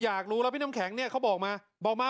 อยากรู้แล้วพี่น้ำแข็งเนี่ยเขาบอกมาบอกมา